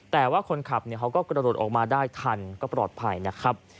แต่ว่าคนขับเขาก็กระโดดออกมาได้ทันก็ปลอดภัยนะครับ